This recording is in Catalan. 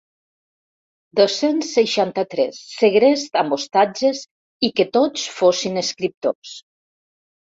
Dos-cents seixanta-tres segrest amb hostatges i que tots fossin escriptors!